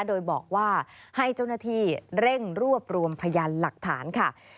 โดยบอกว่าให้เจ้าหน้าที่เร่งรวบรวมพยานหลักฐานค่ะ